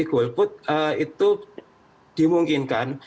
di global vote itu dimungkinkan